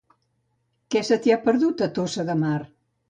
Què se t'hi ha perdut, a Tossa de Mar?